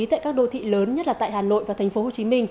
tại các đô thị lớn nhất là tại hà nội và tp hcm